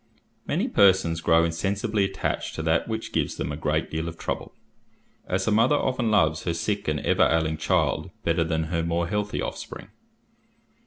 Many persons grow insensibly attached to that which gives them a great deal of trouble, as a mother often loves her sick and ever ailing child better than her more healthy offspring.